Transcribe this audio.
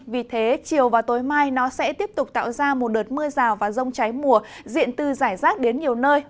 vì thế chiều và tối mai nó sẽ tiếp tục tạo ra một đợt mưa rào và rông trái mùa diện từ giải rác đến nhiều nơi